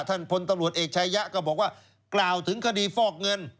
ท่านพลตำรวจเอกใชะยะกล่าวถึงคดีฟอกเงิน